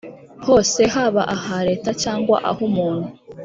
hose haba aha leta cyangwa ah’umuntu